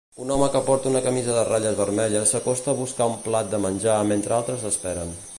Un home que porta una camisa de ratlles vermella s'acosta a buscar un plat de menjar mentre altres esperen.